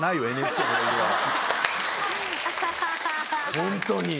本当に。